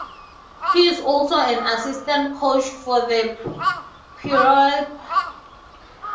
He is also an assistant coach for the Peoria Padres.